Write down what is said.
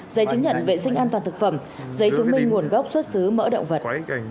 giấy chứng nhận vệ sinh an toàn thực phẩm giấy chứng minh nguồn gốc xuất xứ mỡ động vật